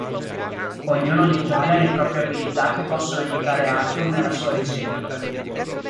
Ognuno dei quali ha le proprie abilità che possono aiutare Arthur nella sua ricerca.